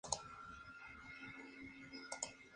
Su nombre significa ciudad de gatos.